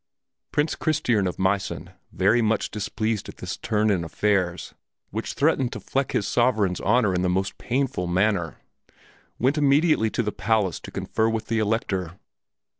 Prince Christiern of Meissen, very much displeased at this turn in affairs, which threatened to fleck his sovereign's honor in the most painful manner, went immediately to the palace to confer with the Elector.